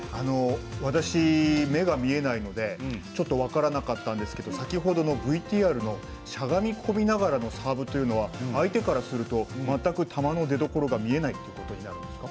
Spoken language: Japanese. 私、目が見えないので、ちょっと分からなかったんですけど先ほどのＶＴＲのしゃがみ込みながらのサーブというのは相手からすると全く球の出どころが見えないっていうことになるんですか。